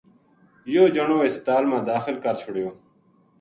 یوہ جنوہسپتال ما داخل کر چھُڑیو